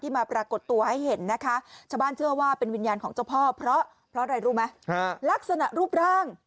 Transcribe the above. ที่มาปรากฏตัวให้เห็นนะคะ